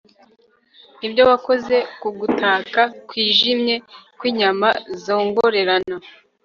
nibyo, wakoze ku gutaka kwijimye kwinyama zongorerana